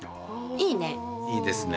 いいですね。